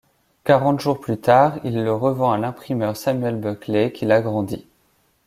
Quarante jours plus tard, il le revend à l'imprimeur Samuel Buckley, qui l'agrandit.